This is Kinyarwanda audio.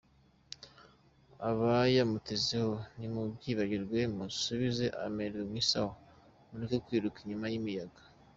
Abayamutezeho nimubyibagirwe, musubize amerwemw’isaho, mureke kwiruka inyuma y’imiyaga.